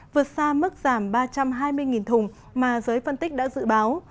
vượt xa mức giảm ba trăm hai mươi thùng mà giới phân tích đã dự báo